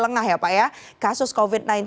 lengah ya pak ya kasus covid sembilan belas